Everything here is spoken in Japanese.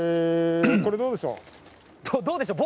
これでどうでしょう？